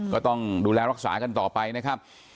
ก็ต้องดูแลรักษากันต่อไปนะครับ